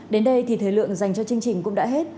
đến đây thì thời lượng dành cho chương trình cũng đã hết